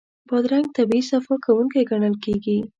بادرنګ طبعي صفا کوونکی ګڼل کېږي.